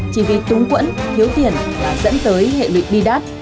chỉ vì túng quẫn thiếu tiền và dẫn tới hệ luyện đi đát